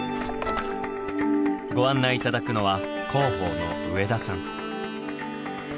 ご案内頂くのは広報の上田さん。